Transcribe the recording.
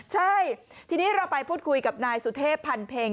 ใช่ทีนี้เราไปพูดคุยกับนายสุเทพพันเพ็ง